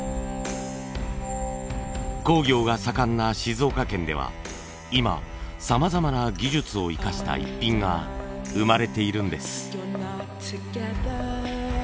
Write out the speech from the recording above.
工業が盛んな静岡県では今さまざまな技術を生かしたイッピンが生まれているんです。